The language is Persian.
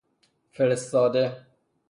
فرستاده